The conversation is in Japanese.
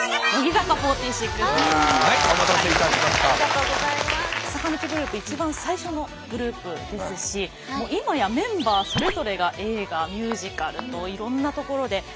坂道グループ一番最初のグループですし今やメンバーそれぞれが映画ミュージカルといろんなところで活躍されている。